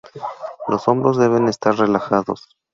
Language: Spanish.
Los hombros deben estar relajados.